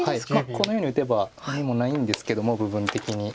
このように打てば何もないんですけども部分的に。